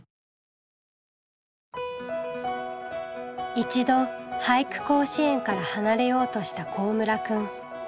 一度俳句甲子園から離れようとした幸村くん。